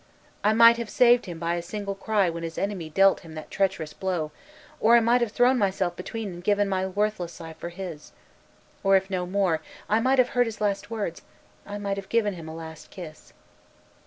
"I might have saved him by a single cry when his enemy dealt him that treacherous blow, or I might have thrown myself between and given my worthless life for his. Or if no more, I might have heard his last words, I might have given him a last kiss."